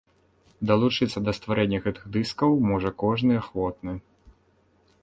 Далучыцца да стварэння гэтых дыскаў можа кожны ахвотны.